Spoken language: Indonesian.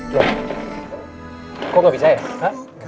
loh kok gak bisa ya